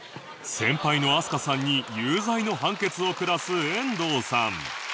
先輩の飛鳥さんに有罪の判決を下す遠藤さん